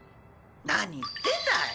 何言ってんだい！